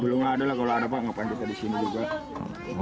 belum ada lah kalau ada pak ngapain kita di sini juga